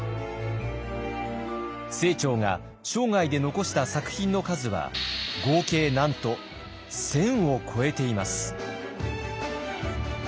清張が生涯で残した作品の数は合計なんと１，０００を超えています。